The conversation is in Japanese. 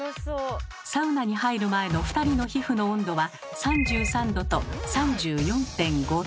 サウナに入る前の２人の皮膚の温度は３３℃と３４．５℃。